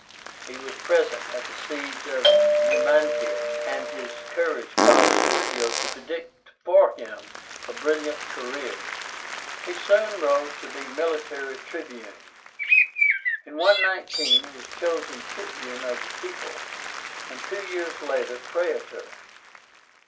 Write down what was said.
He was present at the siege of Numantia, and his courage caused Scipio to predict for him a brilliant career. He soon rose to be Military Tribune. In 119 he was chosen Tribune of the People, and two years later Praetor.